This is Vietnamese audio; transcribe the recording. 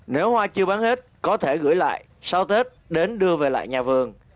nếu hoa chưa bán hết có thể gửi lại sau tết đến đưa về lại nhà vườn